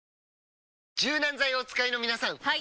柔軟剤をお使いの皆さんはい！